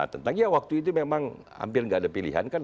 tentang ya waktu itu memang hampir nggak ada pilihan kan